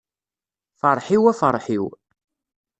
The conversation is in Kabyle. Ferḥ-iw a ferḥ-iw.